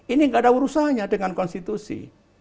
ini nggak ada urusannya dengan konstitusi